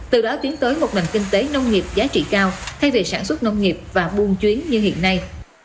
từ đó tiến tới một nền kinh tế nông nghiệp giá trị cao thay vì sản xuất nông nghiệp và buôn chuyến như hiện nay